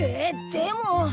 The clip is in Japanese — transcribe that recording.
でも！